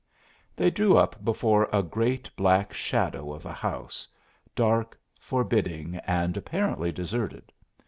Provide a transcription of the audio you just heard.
They drew up before a great black shadow of a house, dark, forbidding, and apparently deserted.